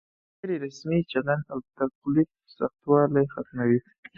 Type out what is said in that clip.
غیر رسمي چلن او تکلف سختوالی ختموي.